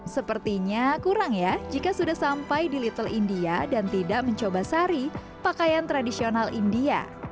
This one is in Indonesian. sepertinya kurang ya jika sudah sampai di little india dan tidak mencoba sari pakaian tradisional india